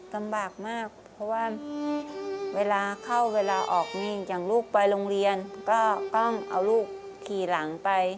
ลำบากมากเพราะว่าเวลาเข้าเวลาออกนี่อย่างลูกไปโรงเรียนก็ต้องเอาลูกขี่หลังไป